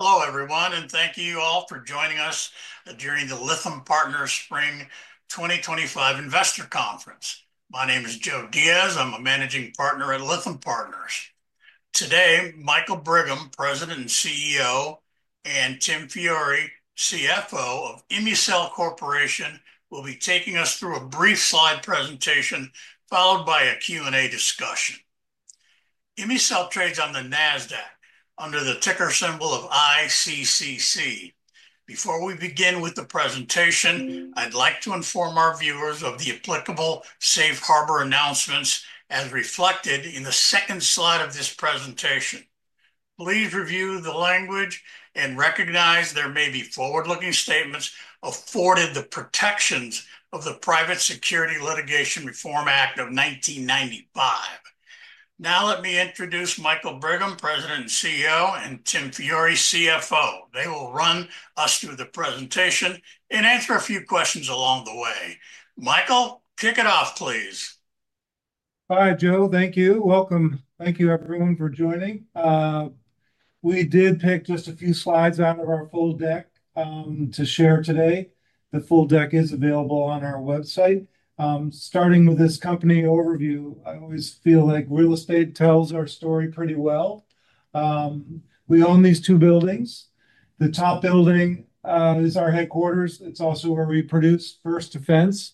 Hello, everyone, and thank you all for joining us during the Lytham Partners Spring 2025 Investor Conference. My name is Joe Diaz. I'm a managing partner at Lytham Partners. Today, Michael Brigham, President and CEO, and Tim Fiori, CFO of ImmuCell Corporation, will be taking us through a brief slide presentation followed by a Q&A discussion. ImmuCell trades on the Nasqad under the ticker symbol of ICCC. Before we begin with the presentation, I'd like to inform our viewers of the applicable safe harbor announcements as reflected in the second slide of this presentation. Please review the language and recognize there may be forward-looking statements afforded the protections of the Private Securities Litigation Reform Act of 1995. Now, let me introduce Michael Brigham, President and CEO, and Tim Fiori, CFO. They will run us through the presentation and answer a few questions along the way. Michael, kick it off, please. Hi, Joe. Thank you. Welcome. Thank you, everyone, for joining. We did pick just a few slides out of our full deck to share today. The full deck is available on our website. Starting with this company overview, I always feel like real estate tells our story pretty well. We own these two buildings. The top building is our headquarters. It's also where we produce First Defense.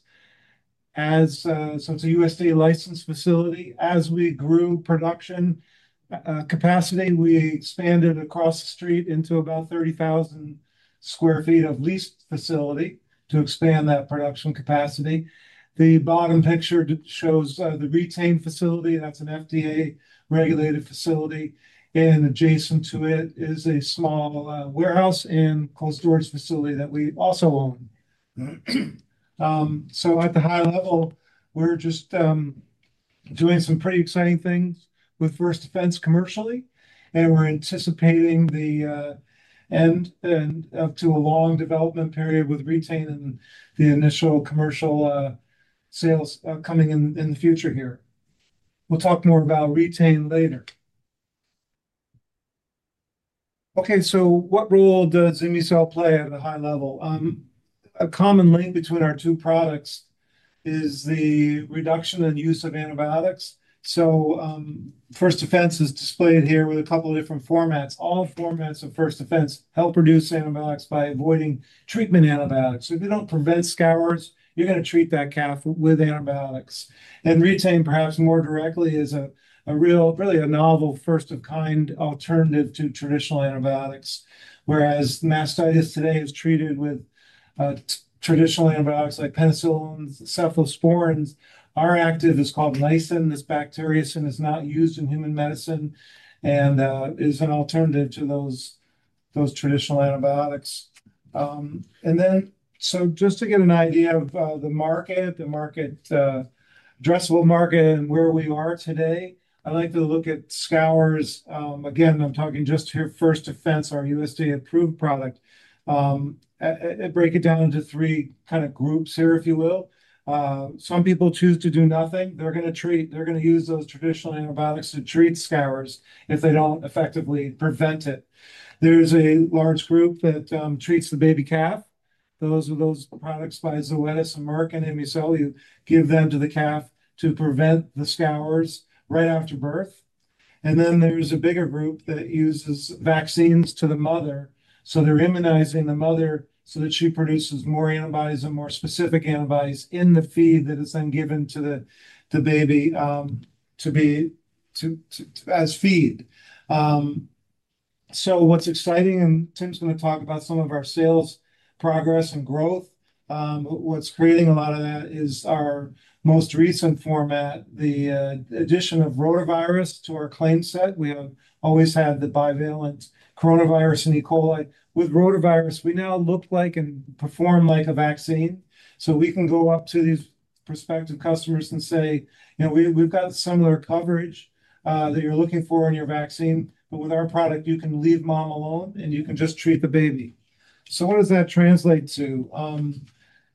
So it's a USDA-licensed facility. As we grew production capacity, we expanded across the street into about 30,000 sq ft of leased facility to expand that production capacity. The bottom picture shows the Re-Tain facility. That's an FDA-regulated facility. And adjacent to it is a small warehouse and closed-doors facility that we also own. At the high level, we're just doing some pretty exciting things with First Defense commercially. We are anticipating the end of a long development period with Re-Tain, the initial commercial sales coming in the future here. We'll talk more about Re-Tain later. Okay, what role does ImmuCell play at a high level? A common link between our two products is the reduction in use of antibiotics. First Defense is displayed here with a couple of different formats. All formats of First Defense help reduce antibiotics by avoiding treatment antibiotics. If you do not prevent scours, you are going to treat that calf with antibiotics. Re-Tain, perhaps more directly, is a really novel first-of-kind alternative to traditional antibiotics. Whereas mastitis today is treated with traditional antibiotics like penicillins, cephalosporins are active. It is called Nisin. This bacteriocin is not used in human medicine and is an alternative to those traditional antibiotics. Just to get an idea of the market, the addressable market, and where we are today, I'd like to look at scours. Again, I'm talking just here First Defense, our USDA-approved product. I break it down into three kind of groups here, if you will. Some people choose to do nothing. They're going to treat. They're going to use those traditional antibiotics to treat scours if they do not effectively prevent it. There's a large group that treats the baby calf. Those are those products by Zoetis and Merck and ImmuCell. You give them to the calf to prevent the scours right after birth. Then there's a bigger group that uses vaccines to the mother. They are immunizing the mother so that she produces more antibodies and more specific antibodies in the feed that is then given to the baby as feed. What's exciting, and Tim's going to talk about some of our sales progress and growth. What's creating a lot of that is our most recent format, the addition of rotavirus to our claim set. We have always had the bivalent coronavirus and E. coli. With rotavirus, we now look like and perform like a vaccine. We can go up to these prospective customers and say, you know, we've got similar coverage that you're looking for in your vaccine. With our product, you can leave mom alone and you can just treat the baby. What does that translate to?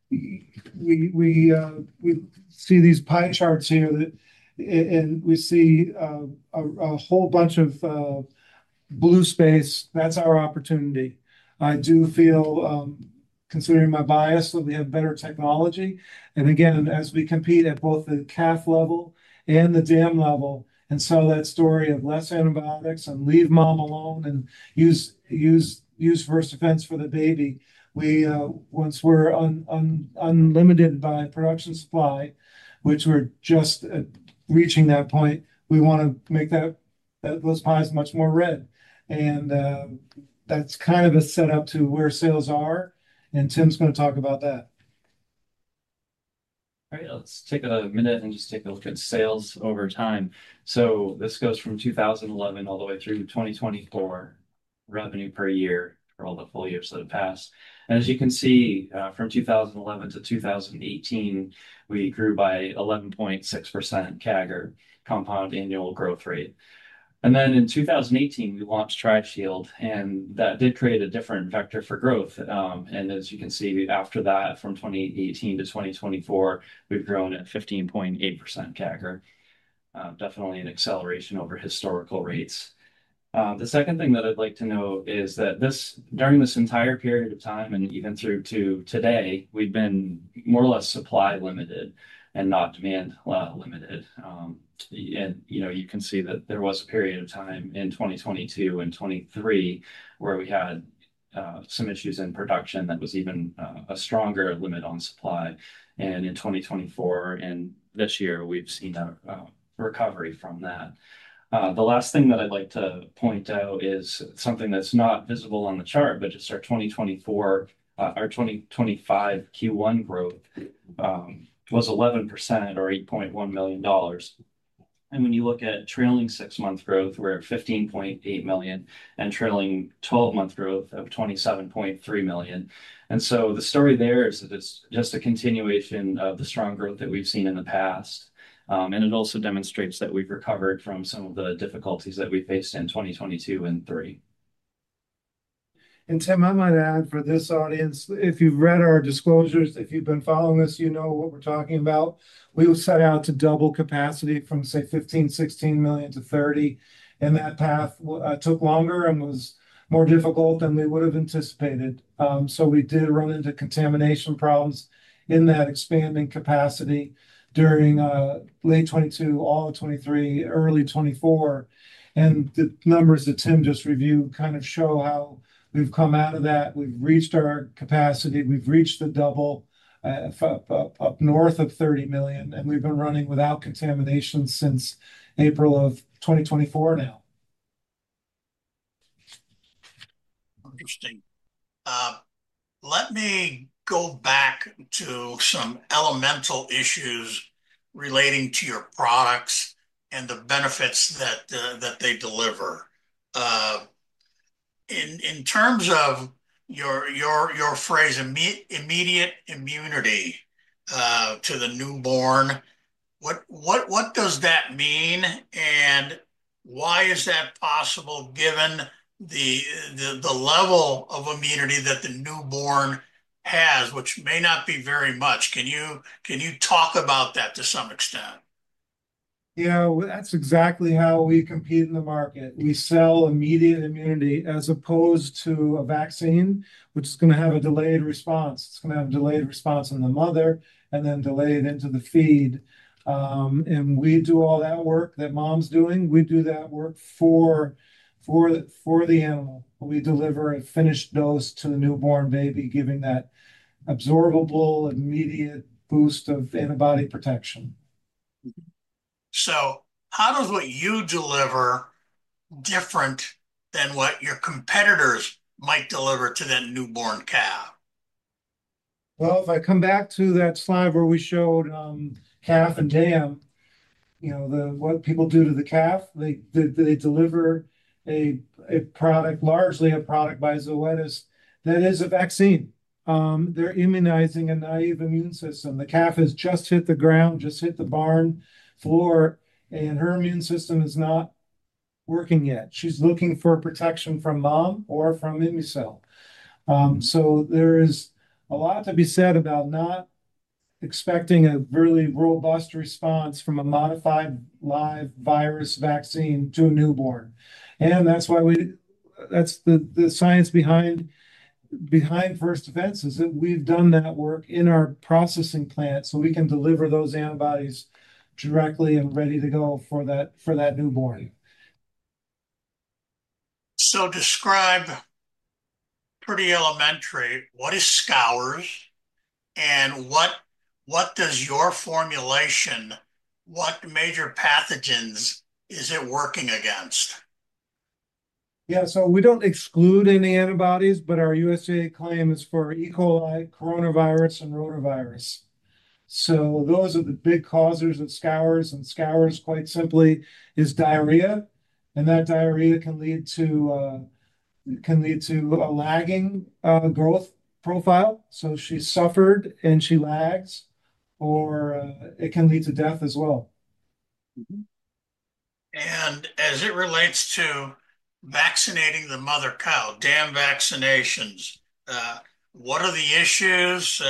We see these pie charts here, and we see a whole bunch of blue space. That's our opportunity. I do feel, considering my bias, that we have better technology. Again, as we compete at both the calf level and the dam level, and so that story of less antibiotics and leave mom alone and use First Defense for the baby, once we're unlimited by production supply, which we're just reaching that point, we want to make those pies much more red. That's kind of a setup to where sales are. Tim's going to talk about that. All right, let's take a minute and just take a look at sales over time. This goes from 2011 all the way through 2024, revenue per year for all the full years that have passed. As you can see, from 2011 to 2018, we grew by 11.6% CAGR, compound annual growth rate. In 2018, we launched TriShield. That did create a different vector for growth. As you can see after that, from 2018 to 2024, we've grown at 15.8% CAGR. Definitely an acceleration over historical rates. The second thing that I'd like to note is that during this entire period of time and even through to today, we've been more or less supply limited and not demand limited. You can see that there was a period of time in 2022 and 2023 where we had some issues in production that was even a stronger limit on supply. In 2024 and this year, we've seen a recovery from that. The last thing that I'd like to point out is something that's not visible on the chart, but just our 2024, our 2025 Q1 growth was 11% or $8.1 million. When you look at trailing six-month growth, we're at $15.8 million and trailing 12-month growth of $27.3 million. The story there is that it's just a continuation of the strong growth that we've seen in the past. It also demonstrates that we've recovered from some of the difficulties that we faced in 2022 and 2023. Tim, I might add for this audience, if you've read our disclosures, if you've been following us, you know what we're talking about. We were set out to double capacity from, say, $15 million, $16 million to $30 million. That path took longer and was more difficult than we would have anticipated. We did run into contamination problems in that expanding capacity during late 2022, all of 2023, early 2024. The numbers that Tim just reviewed kind of show how we've come out of that. We've reached our capacity. We've reached the double up north of $30 million. We've been running without contamination since April of 2024 now. Interesting. Let me go back to some elemental issues relating to your products and the benefits that they deliver. In terms of your phrase, immediate immunity to the newborn, what does that mean? Why is that possible given the level of immunity that the newborn has, which may not be very much? Can you talk about that to some extent? Yeah, that's exactly how we compete in the market. We sell immediate immunity as opposed to a vaccine, which is going to have a delayed response. It's going to have a delayed response in the mother and then delayed into the feed. We do all that work that mom's doing. We do that work for the animal. We deliver a finished dose to the newborn baby, giving that absorbable immediate boost of antibody protection. How does what you deliver differ from what your competitors might deliver to that newborn calf? If I come back to that slide where we showed calf and dam, you know what people do to the calf, they deliver a product, largely a product by Zoetis that is a vaccine. They're immunizing a naive immune system. The calf has just hit the ground, just hit the barn floor, and her immune system is not working yet. She's looking for protection from mom or from ImmuCell. There is a lot to be said about not expecting a really robust response from a modified live virus vaccine to a newborn. That's why the science behind First Defense is that we've done that work in our processing plant so we can deliver those antibodies directly and ready to go for that newborn. Describe pretty elementary, what is scours and what does your formulation, what major pathogens is it working against? Yeah, so we don't exclude any antibodies, but our USDA claim is for E. coli, coronavirus, and rotavirus. Those are the big causes of scours. Scours, quite simply, is diarrhea. That diarrhea can lead to a lagging growth profile. She suffered and she lags, or it can lead to death as well. As it relates to vaccinating the mother cow, dam vaccinations, what are the issues?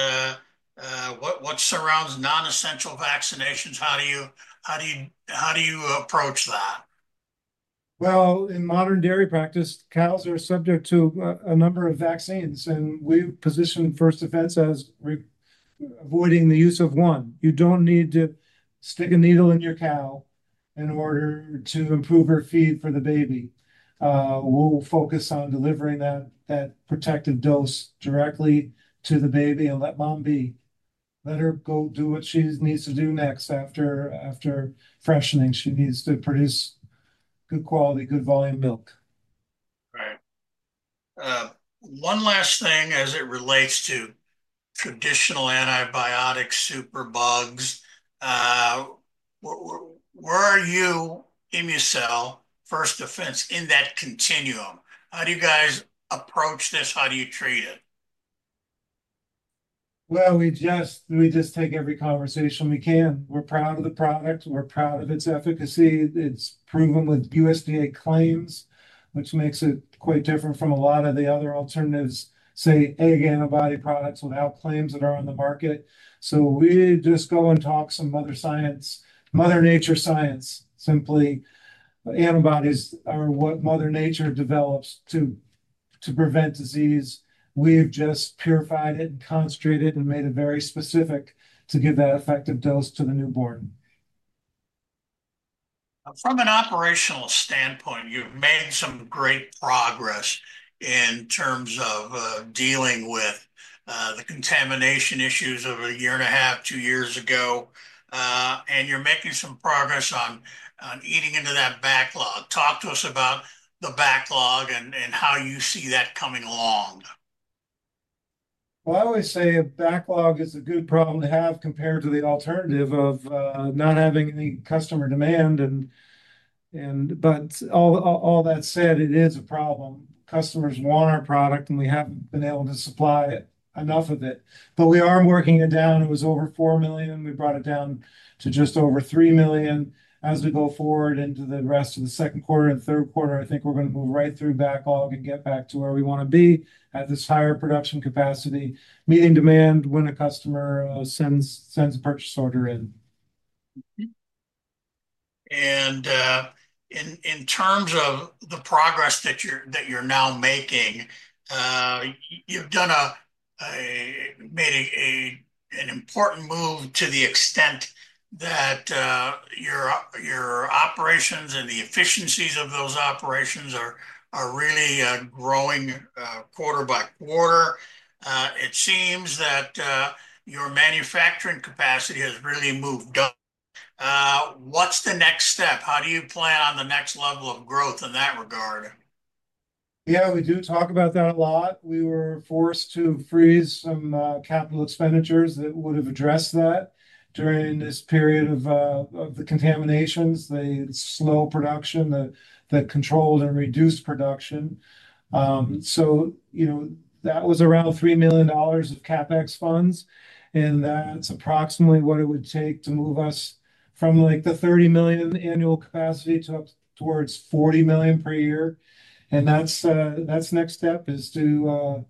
What surrounds non-essential vaccinations? How do you approach that? In modern dairy practice, cows are subject to a number of vaccines. We position First Defense as avoiding the use of one. You do not need to stick a needle in your cow in order to improve her feed for the baby. We will focus on delivering that protective dose directly to the baby and let mom be. Let her go do what she needs to do next after freshening. She needs to produce good quality, good volume milk. Right. One last thing as it relates to traditional antibiotic super bugs. Where are you, ImmuCell, First Defense, in that continuam? How do you guys approach this? How do you treat it? We just take every conversation we can. We're proud of the product. We're proud of its efficacy. It's proven with USDA claims, which makes it quite different from a lot of the other alternatives, say, egg antibody products without claims that are on the market. We just go and talk some mother nature science, simply. Antibodies are what mother nature develops to prevent disease. We've just purified it and concentrated it and made it very specific to give that effective dose to the newborn. From an operational standpoint, you've made some great progress in terms of dealing with the contamination issues of a year and a half, two years ago. You're making some progress on eating into that backlog. Talk to us about the backlog and how you see that coming along. I always say a backlog is a good problem to have compared to the alternative of not having any customer demand. All that said, it is a problem. Customers want our product, and we have not been able to supply enough of it. We are working it down. It was over $4 million. We brought it down to just over $3 million. As we go forward into the rest of the second quarter and third quarter, I think we are going to move right through backlog and get back to where we want to be at this higher production capacity, meeting demand when a customer sends a purchase order in. In terms of the progress that you're now making, you've made an important move to the extent that your operations and the efficiencies of those operations are really growing quarter by quarter. It seems that your manufacturing capacity has really moved up. What's the next step? How do you plan on the next level of growth in that regard? Yeah, we do talk about that a lot. We were forced to freeze some capital expenditures that would have addressed that during this period of the contaminations, the slow production, the controlled and reduced production. That was around $3 million of CapEx funds. That is approximately what it would take to move us from the $30 million annual capacity up towards $40 million per year. That next step is to,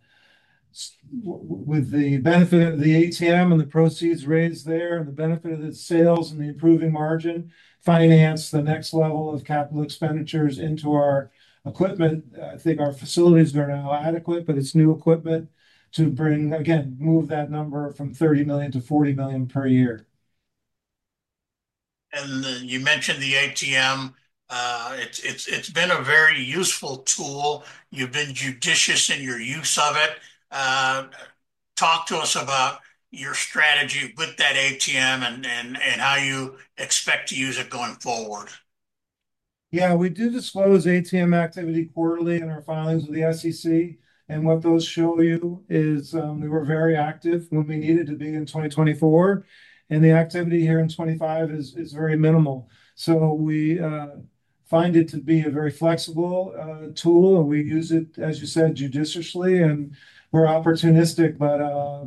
with the benefit of the ATM and the proceeds raised there, and the benefit of the sales and the improving margin, finance the next level of capital expenditures into our equipment. I think our facilities are now adequate, but it is new equipment to bring, again, move that number from $30 million to $40 million per year. You mentioned the ATM. It's been a very useful tool. You've been judicious in your use of it. Talk to us about your strategy with that ATM and how you expect to use it going forward. Yeah, we do disclose ATM activity quarterly in our filings with the SEC. What those show you is we were very active when we needed to be in 2024. The activity here in 2025 is very minimal. We find it to be a very flexible tool. We use it, as you said, judiciously. We're opportunistic, but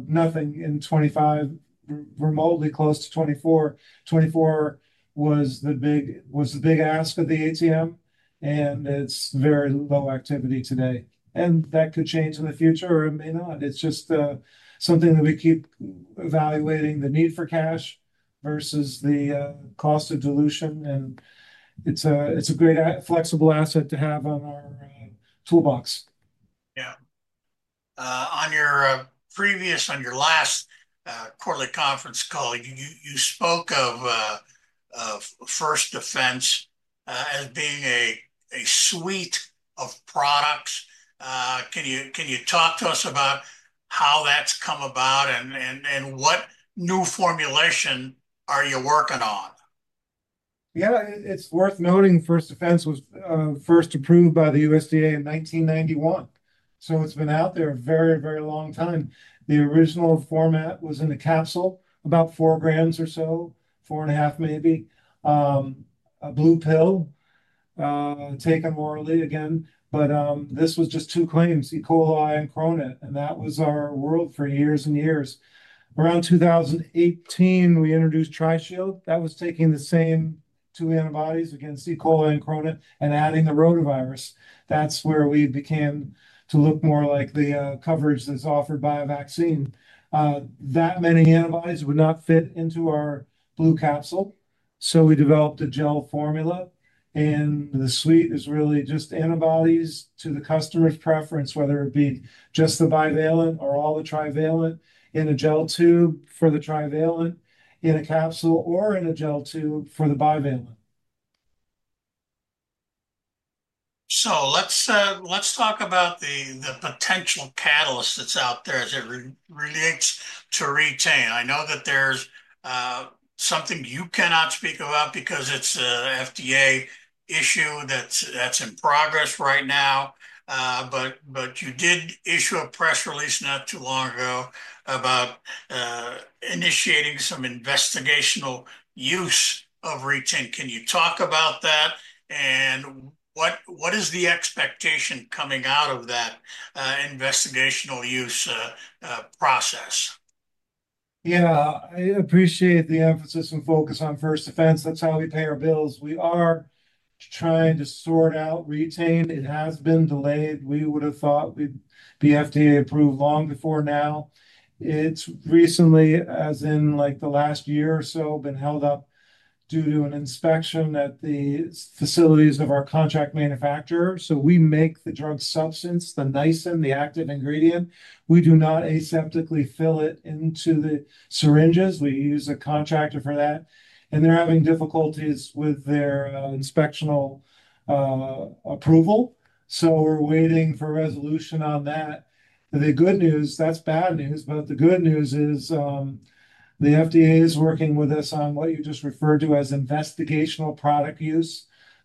nothing in 2025 is remotely close to 2024. 2024 was the big ask of the ATM. It is very low activity today. That could change in the future, or it may not. It is just something that we keep evaluating, the need for cash versus the cost of dilution. It is a great flexible asset to have in our toolbox. Yeah. On your previous, on your last quarterly conference call, you spoke of First Defense as being a suite of products. Can you talk to us about how that's come about and what new formulation are you working on? Yeah, it's worth noting First Defense was first approved by the USDA in 1991. So it's been out there a very, very long time. The original format was in a capsule, about four grams or so, four and a half maybe, a blue pill taken orally again. But this was just two claims, E. coli and coronavirus. And that was our world for years and years. Around 2018, we introduced TriShield. That was taking the same two antibodies against E. coli and coronavirus and adding the rotavirus. That's where we became to look more like the coverage that's offered by a vaccine. That many antibodies would not fit into our blue capsule. So we developed a gel formula. The suite is really just antibodies to the customer's preference, whether it be just the bivalent or all the trivalent in a gel tube for the trivalent, in a capsule, or in a gel tube for the bivalent. Let's talk about the potential catalyst that's out there as it relates to Re-Tain. I know that there's something you cannot speak about because it's an FDA issue that's in progress right now. You did issue a press release not too long ago about initiating some investigational use of Re-Tain. Can you talk about that? What is the expectation coming out of that investigational use process? Yeah, I appreciate the emphasis and focus on First Defense. That's how we pay our bills. We are trying to sort out Re-Tain. It has been delayed. We would have thought we'd be FDA approved long before now. It's recently, as in like the last year or so, been held up due to an inspection at the facilities of our contract manufacturer. We make the drug substance, the Nisin, the active ingredient. We do not aseptically fill it into the syringes. We use a contractor for that. They're having difficulties with their inspectional approval. We are waiting for resolution on that. The good news, that's bad news. The good news is the FDA is working with us on what you just referred to as investigational product use.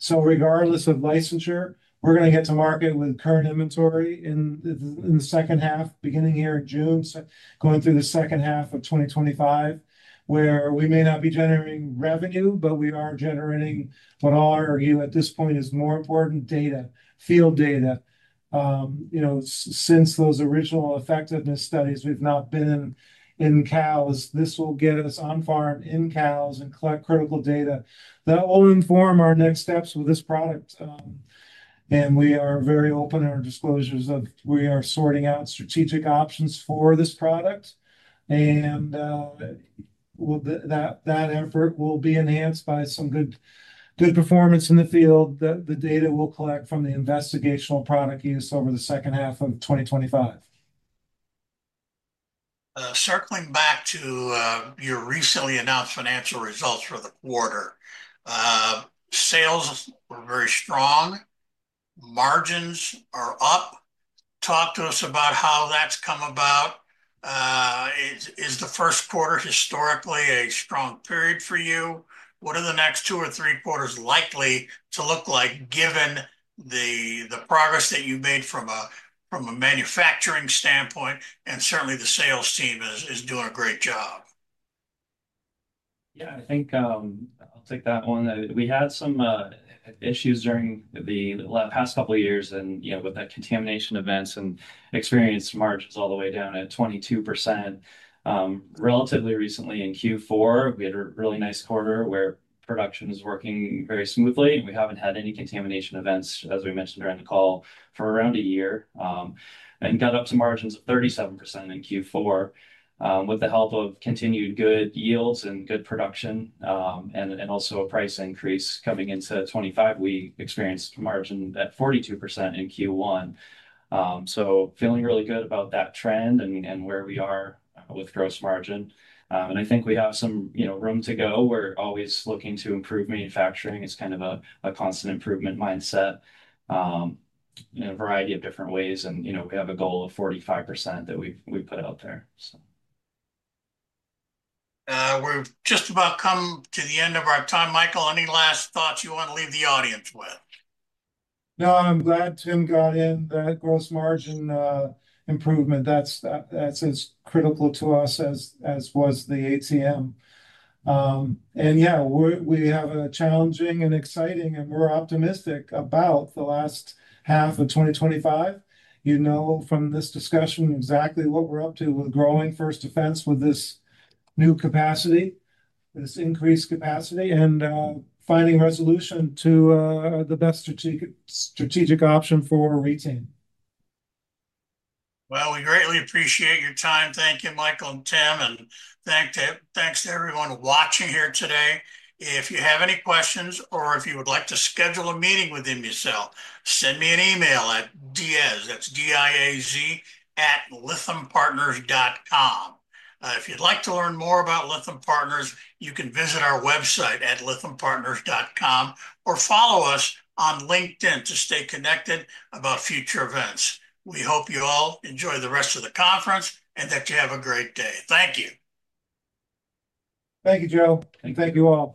Regardless of licensure, we're going to get to market with current inventory in the second half, beginning here in June, going through the second half of 2025, where we may not be generating revenue, but we are generating what I'll argue at this point is more important data, field data. Since those original effectiveness studies, we've not been in cows. This will get us on farm in cows and collect critical data that will inform our next steps with this product. We are very open in our disclosures of we are sorting out strategic options for this product. That effort will be enhanced by some good performance in the field that the data will collect from the investigational product use over the second half of 2025. Circling back to your recently announced financial results for the quarter, sales were very strong. Margins are up. Talk to us about how that's come about. Is the first quarter historically a strong period for you? What are the next two or three quarters likely to look like given the progress that you've made from a manufacturing standpoint? Certainly, the sales team is doing a great job. Yeah, I think I'll take that one. We had some issues during the last couple of years with the contamination events and experienced margins all the way down at 22%. Relatively recently in Q4, we had a really nice quarter where production is working very smoothly. We haven't had any contamination events, as we mentioned during the call, for around a year and got up to margins of 37% in Q4 with the help of continued good yields and good production. Also a price increase coming into 2025, we experienced margin at 42% in Q1. Feeling really good about that trend and where we are with gross margin. I think we have some room to go. We're always looking to improve manufacturing. It's kind of a constant improvement mindset in a variety of different ways. We have a goal of 45% that we put out there. We've just about come to the end of our time. Michael, any last thoughts you want to leave the audience with? No, I'm glad Tim got in that gross margin improvement. That's as critical to us as was the ATM. Yeah, we have a challenging and exciting and more optimistic about the last half of 2025. You know from this discussion exactly what we're up to with growing First Defense with this new capacity, this increased capacity, and finding resolution to the best strategic option for Re-Tain. We greatly appreciate your time. Thank you, Michael and Tim. And thanks to everyone watching here today. If you have any questions or if you would like to schedule a meeting with ImmuCell, send me an email at Diaz. That's diaz@lithumpartners.com. If you'd like to learn more about Lithium Partners, you can visit our website at lithumpartners.com or follow us on LinkedIn to stay connected about future events. We hope you all enjoy the rest of the conference and that you have a great day. Thank you. Thank you, Joe. Thank you all.